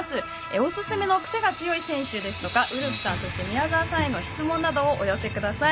おすすめのクセが強い選手ですとかウルフさん、そして宮澤さんへの質問などをお寄せください。